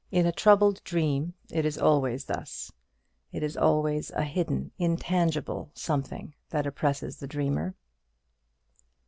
In a troubled dream it is always thus, it is always a hidden, intangible something that oppresses the dreamer.